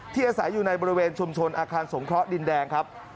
อาศัยอยู่ในบริเวณชุมชนอาคารสงเคราะห์ดินแดงครับ